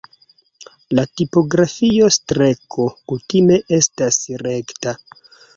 En tipografio streko kutime estas rekta.